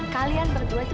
kalian berdua kamu gak tahu